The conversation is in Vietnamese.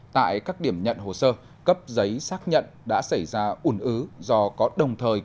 tại các điểm nhận hồ sơ cấp giấy xác nhận đã xảy ra ủn ứ do có đồng thời